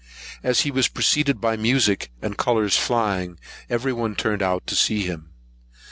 As he was preceded by music, and colours flying, every one turned out to see him.